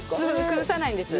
崩さないんです。